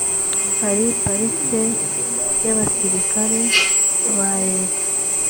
hari parike y abasirikare ba leta